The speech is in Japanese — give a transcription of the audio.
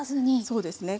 そうですね。